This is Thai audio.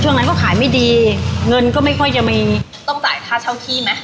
ช่วงนั้นก็ขายไม่ดีเงินก็ไม่ค่อยจะมีต้องจ่ายค่าเช่าขี้ไหม